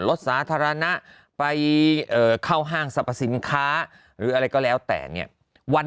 รถสาธารณะไปเข้าห้างสรรพสินค้าหรืออะไรก็แล้วแต่เนี่ยวัน